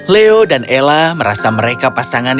leo dan ella merasa mereka pasangan